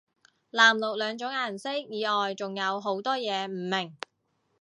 藍綠兩種顏色以外仲有好多嘢唔明